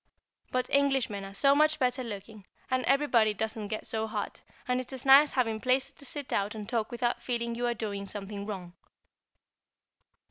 But Englishmen are so much better looking, and everybody doesn't get so hot, and it is nice having places to sit out and talk without feeling you are doing something wrong.